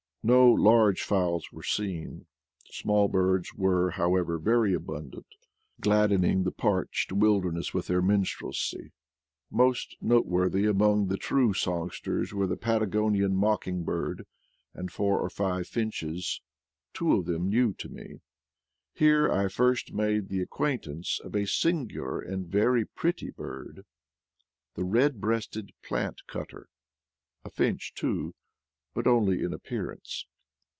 No large fowls were seen; small birds were, however, very abundant, gladdening ] AT LAST, PATAGONIA! 9 the parched wilderness with their minstrelsy. Most noteworthy among the true songsters were the Patagonian mocking bird and four or five finches, two of them new to me. Here I first made the acquaintance of a singular and very pretty bird — the red breasted plant cutter, a finch too, but only in appearance.